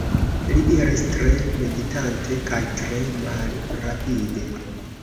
Li iris tre meditante kaj tre malrapide.